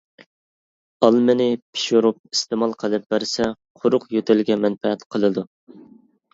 ئالمىنى پىشۇرۇپ ئىستېمال قىلىپ بەرسە، قۇرۇق يۆتەلگە مەنپەئەت قىلىدۇ.